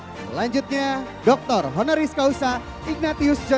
selanjutnya dr honoris kausa